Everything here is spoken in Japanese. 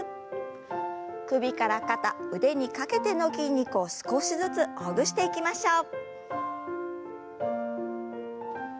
首から肩腕にかけての筋肉を少しずつほぐしていきましょう。